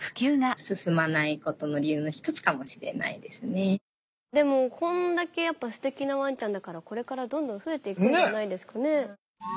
盲導犬以外のでもこんだけやっぱすてきなワンちゃんだからこれからどんどん増えていくんじゃないですかね。